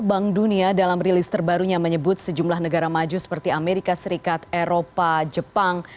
bank dunia dalam rilis terbarunya menyebut sejumlah negara maju seperti amerika serikat eropa jepang